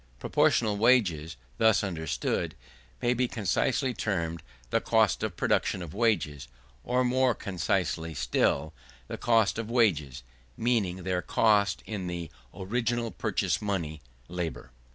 Proportional wages, thus understood, may be concisely termed the cost of production of wages; or, more concisely still, the cost of wages, meaning their cost in the "original purchase money," labour.